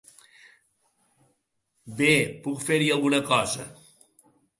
Bé, puc fer-hi alguna cosa.